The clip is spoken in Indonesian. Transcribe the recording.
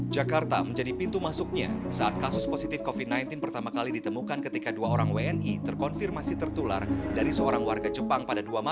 jakarta menjadi pintu masuknya saat kasus positif covid sembilan belas pertama kali ditemukan ketika dua orang wni terkonfirmasi tertulang